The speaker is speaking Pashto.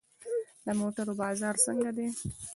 د موټرو بازار څنګه دی؟